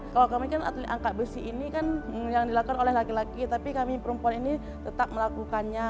kalau kami kan atlet angkat besi ini kan yang dilakukan oleh laki laki tapi kami perempuan ini tetap melakukannya